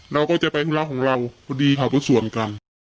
เราก็จะไปทุนราวของเราพอดีข่าวทุกส่วนกัน